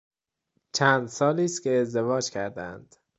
چند سالی است که ازدواج کردهاند.